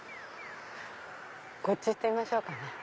こっち行ってみましょうかね。